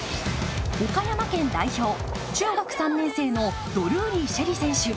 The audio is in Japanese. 岡山県代表、中学３年生のドルーリー朱瑛里選手。